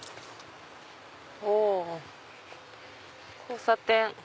お交差点。